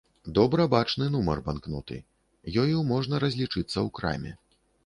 Добра бачны нумар банкноты, ёю можна разлічыцца ў краме.